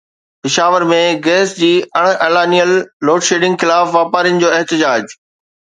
Peshawar ۾ gas جي اڻ اعلانيل لوڊشيڊنگ خلاف واپارين جو احتجاج